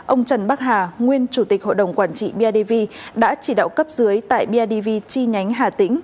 ông trần bắc hà nguyên chủ tịch hội đồng quản trị bidv đã chỉ đạo cấp dưới tại bidv chi nhánh hà tĩnh